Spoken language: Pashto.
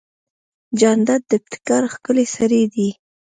جانداد د ابتکار ښکلی سړی دی.